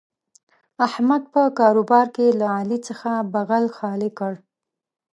احمد په کاروبار کې له علي څخه بغل خالي کړ.